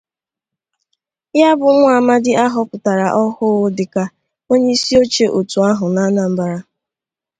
ya bụ nwa amadi a họpụtara ọhụụ dịka onyeisioche òtù ahụ n'Anambra